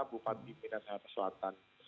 bupat bimbingan nahas selatan